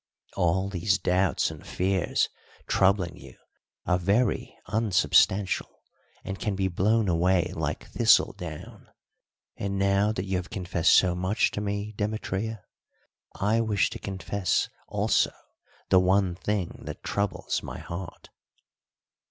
All these doubts and fears troubling you are very unsubstantial and can be blown away like thistle down. And now that you have confessed so much to me, Demetria, I wish to confess also the one thing that troubles my heart."